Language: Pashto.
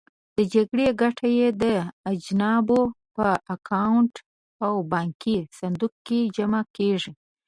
د جګړې ګټه یې د اجانبو په اکاونټ او بانکي صندوق کې جمع کېږي.